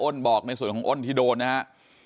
บอกในส่วนของอ้นที่โดนนะฮะ